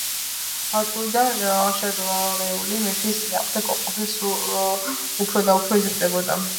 ჭკუიდან შერყეული მეფის წინააღმდეგ უკმაყოფილება სულ უფრო და უფრო იზრდებოდა.